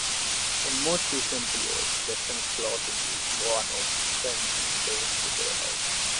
In more recent years, western clothing is worn often in day-to-day life.